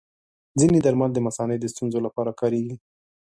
ځینې درمل د مثانې د ستونزو لپاره کارېږي.